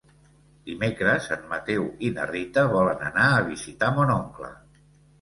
Dimecres en Mateu i na Rita volen anar a visitar mon oncle.